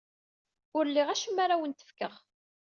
Ur liɣ acemma ara awent-fkeɣ.